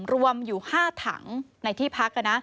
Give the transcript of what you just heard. รวมอยู่๕ถังในที่พัก